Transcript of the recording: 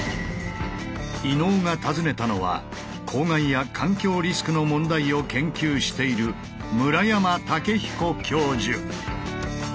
伊野尾が訪ねたのは公害や環境リスクの問題を研究している村山武彦教授。